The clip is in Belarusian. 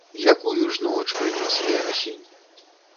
Якую ж ноч прынёс верасень!